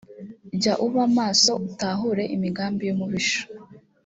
jya uba maso utahure imigambi y’umubisha